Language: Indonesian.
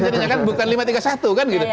jadinya kan bukan lima tiga satu kan gitu